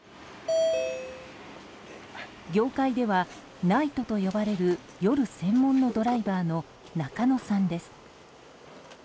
業界ではナイトと呼ばれる夜専門のドライバーの中野さんです。